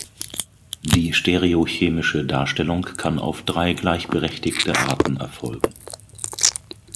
Die stereochemische Darstellung kann auf drei gleichberechtigte Arten erfolgen.